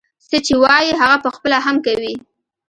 څه چې وايي هغه پخپله هم کوي.